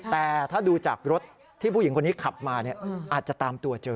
แต่ถ้าดูจากรถที่ผู้หญิงคนนี้ขับมาอาจจะตามตัวเจอ